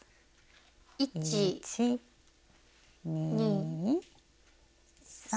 １２３。